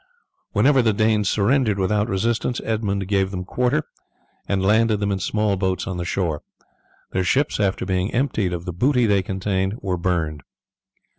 Whenever the Danes surrendered without resistance Edmund gave them quarter and landed them in small boats on the shore; their ships, after being emptied of the booty they contained, were burned.